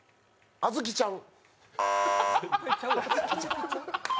あずきちゃん。